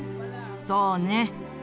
そうね。